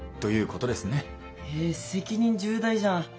え責任重大じゃん。